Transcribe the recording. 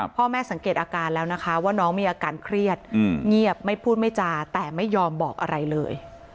พ่อแม่สังเกตอาการแล้วนะคะว่าน้องมีอาการเครียดเงียบไม่พูดไม่จาแต่ไม่ยอมบอกอะไรเลย